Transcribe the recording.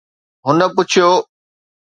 هن پڇيو